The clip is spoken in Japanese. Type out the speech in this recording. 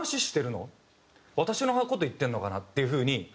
私の事言ってるのかな？っていう風に。